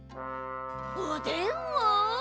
おでんを。